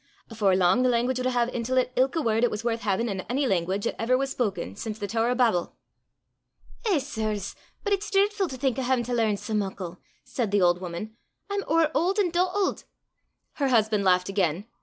Afore lang the language wad hae intil 't ilka word 'at was worth haein' in ony language 'at ever was spoken sin' the toor o' Babel." "Eh, sirs, but it's dreidfu' to think o' haein' to learn sae muckle!" said the old woman. "I'm ower auld an' dottlet!" Her husband laughed again.